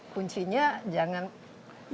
kuncinya jangan mereka bawa sampah